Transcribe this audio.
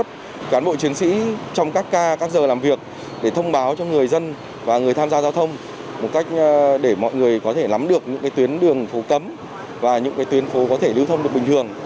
cảnh sát giao thông trật tự đã phân công cán bộ chiến sĩ trong các ca các giờ làm việc để thông báo cho người dân và người tham gia giao thông một cách để mọi người có thể lắm được những tuyến đường phố cấm và những tuyến phố có thể lưu thông được bình thường